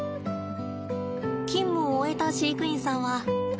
勤務を終えた飼育員さんは。